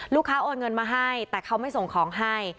โอนเงินมาให้แต่เขาไม่ส่งของให้